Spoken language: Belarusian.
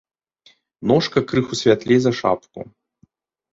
Ножка крыху святлей за шапку.